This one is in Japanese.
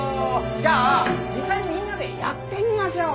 じゃあ実際にみんなでやってみましょう。